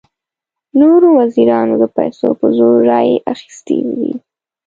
نورو وزیرانو د پیسو په زور رایې اخیستې دي.